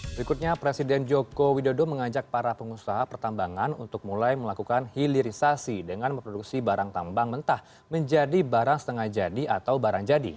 berikutnya presiden joko widodo mengajak para pengusaha pertambangan untuk mulai melakukan hilirisasi dengan memproduksi barang tambang mentah menjadi barang setengah jadi atau barang jadi